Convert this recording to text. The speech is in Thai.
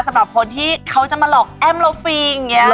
สำหรับคนที่เขาจะมาหลอกแอ้มโลฟีเงี้ย